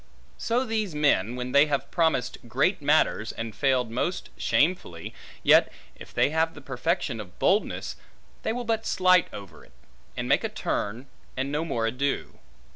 So these men, when they have promised great matters, and failed most shamefully, yet (if they have the perfection of boldness) they will but slight it over, and make a turn, and no more ado.